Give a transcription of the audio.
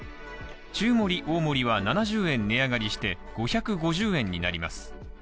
中盛大盛は７０円値上がりして５５０円になります。